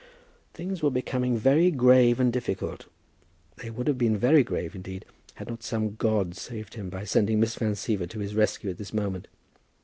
Things were becoming very grave and difficult. They would have been very grave, indeed, had not some god saved him by sending Miss Van Siever to his rescue at this moment.